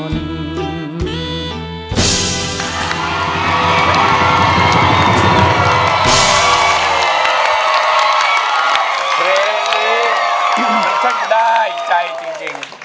เพลงนี้ได้ใจจริง